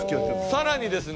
さらにですね